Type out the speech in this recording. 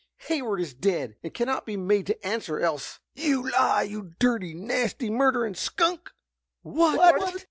Hayward is dead, and can not be made to answer, else—" "You lie, you dirty, nasty, murderin' skunk!" "What!"